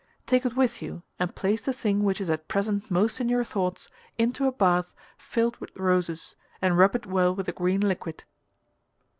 Take it with you and place the thing which is at present most in your thoughts into a bath filled with roses and rub it well with the green liquid.